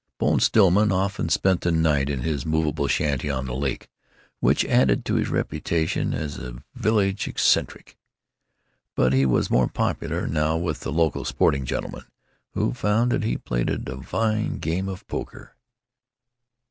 Bone Stillman often spent the night in his movable shanty on the lake, which added to his reputation as village eccentric. But he was more popular, now, with the local sporting gentlemen, who found that he played a divine game of poker.